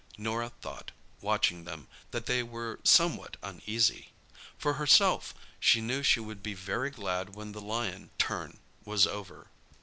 Norah thought, watching them, that they were somewhat uneasy. For herself, she knew she would be very glad when the lion "turn" was over.